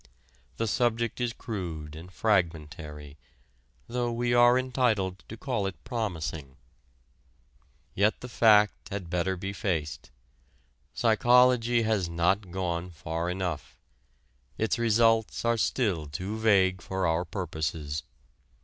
The subject is crude and fragmentary, though we are entitled to call it promising. Yet the fact had better be faced: psychology has not gone far enough, its results are still too vague for our purposes.